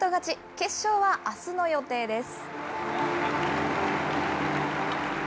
決勝はあすの予定です。